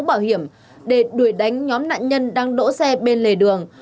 bảo hiểm để đuổi đánh nhóm nạn nhân đang đỗ xe bên lề đường